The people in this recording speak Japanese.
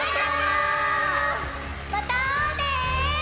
またあおうね！